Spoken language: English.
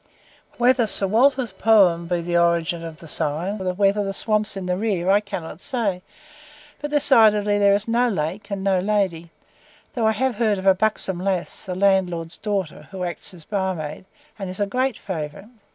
Whether Sir Walter's poem be the origin of the sign, or whether the swamps in the rear, I cannot say, but decidedly there is no lake and no lady, though I have heard of a buxom lass, the landlord's daughter, who acts as barmaid, and is a great favourite.